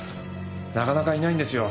なかなかいないんですよ。